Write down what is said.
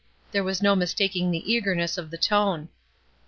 There was no mistaking the eagerness of the tone.